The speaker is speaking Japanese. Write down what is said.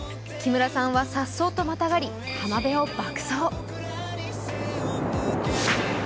木村さんはさっそうとまたがり浜辺を爆走。